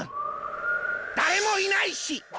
だれもいないし！